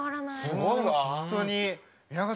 すごいわね。